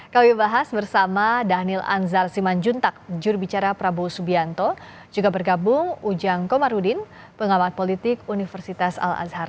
kami bahas bersama dhanil anzar simanjuntak jurubicara prabowo subianto juga bergabung ujang komarudin pengamat politik universitas al azhar